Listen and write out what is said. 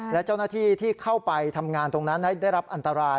และเจ้าหน้าที่ที่เข้าไปทำงานตรงนั้นได้รับอันตราย